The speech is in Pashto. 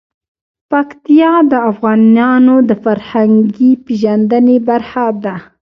پکتیا د افغانانو د فرهنګي پیژندنې برخه ده.